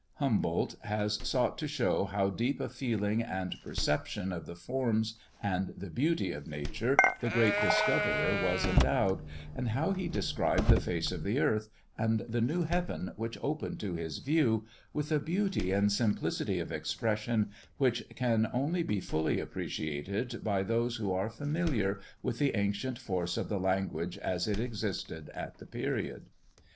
Humboldt has sought to show with how deep a feeling and perception of the forms and the beauty of nature the great discoverer was endowed, and how he described the face of the earth, and the "new heaven" which opened to his view, with a beauty and simplicity of expression which can only be fully appreciated by those who are familiar with the ancient force of the language as it existed at the period.